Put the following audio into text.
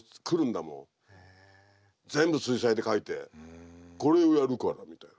全部水彩で描いて「これをやるから」みたいな。